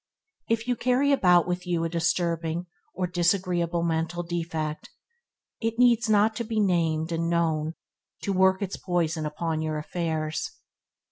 If you carry about with you a disturbing or disagreeable mental defect, it needs not to be named and known to work its poison upon your affairs.